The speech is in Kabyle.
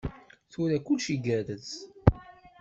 Tura kullec igerrez.